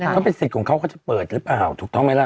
เขาเป็นสิทธิ์ของเขาเขาจะเปิดหรือเปล่าถูกต้องไหมล่ะ